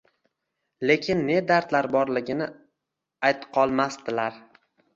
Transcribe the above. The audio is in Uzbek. Lekin ne dardlari borligini aytqolmasdilar.